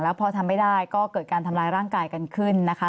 พอทำไม่ได้ก็เกิดการทำร้ายร่างกายกันขึ้นนะคะ